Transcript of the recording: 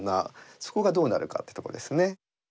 そこがどうなるかってとこですね。